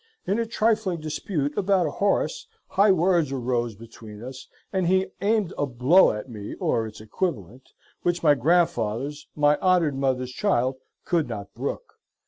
In a triffling dispute about a horse, high words arose between us, and he aymed a blow at me or its equivulent which my Grandfathers my honored mothers child could not brook.